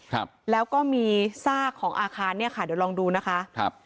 ครับแล้วก็มีซากของอาคารเนี้ยค่ะเดี๋ยวลองดูนะคะครับ